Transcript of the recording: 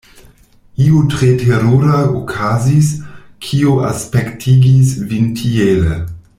Io tre terura okazis, kio aspektigis vin tiele.